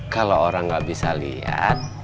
kalau orang nggak bisa lihat